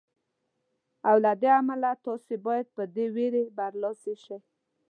او له همدې امله تاسې باید په دې وېرې برلاسي شئ.